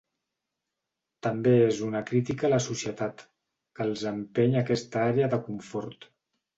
També és una crítica a la societat que els empeny a aquesta àrea de confort.